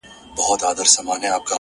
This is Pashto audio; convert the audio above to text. له ما پـرته وبـــل چــــــاتــــــه _